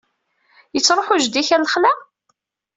Yettṛuḥu jeddi-k ɣer lexla?